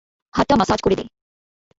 হাতটা ম্যাসাজ করে দে।